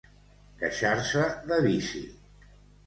Queixar-se de vici.